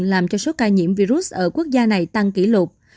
làm cho số ca nhiễm virus ở quốc gia này tăng kỷ lục